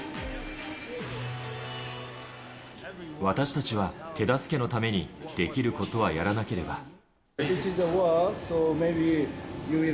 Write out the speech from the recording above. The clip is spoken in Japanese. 私たちは手助けのために、できることはやらなければ。